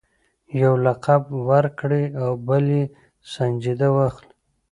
یو لقب ورکړي او بل یې سنجیده واخلي.